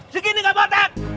sekini gak botak